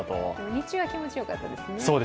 日中は気持ちよかったですね。